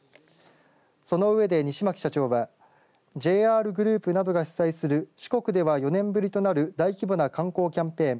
その上で、西牧社長はＪＲグループなどが主催する四国では４年ぶりとなる大規模な観光キャンペーン